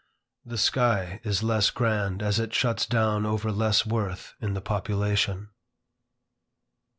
The sky is less grand as it shuts down over less worth in the population.